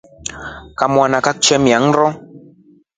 Kamana kakutemia nndo.